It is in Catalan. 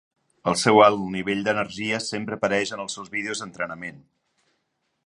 El seu alt nivell d'energia sempre apareix en els seus vídeos d'entrenament.